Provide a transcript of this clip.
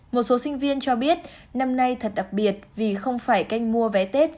một số sinh viên cho biết năm nay thật đặc biệt vì không phải canh mua vé tết